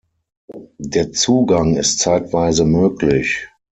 Der Zugang ist zeitweise möglich.